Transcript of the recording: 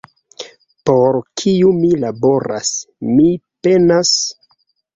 Por kiu mi laboras, mi penas?